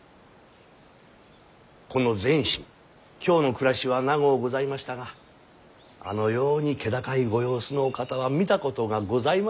この善信京の暮らしは長うございましたがあのように気高いご様子のお方は見たことがございませぬ。